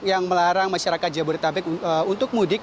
yang melarang masyarakat jabodetabek untuk mudik